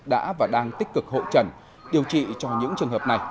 đã và đang tích cực hộ trần điều trị cho những trường hợp này